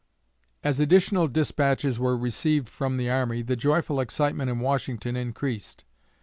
As additional despatches were received from the army, the joyful excitement in Washington increased.